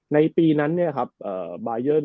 ในปีนั้นเนี่ยครับ